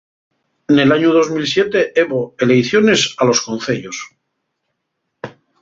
Nel añu dos mil siete hebo eleiciones a los Conceyos.